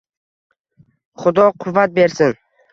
Xudo quvvat bersin.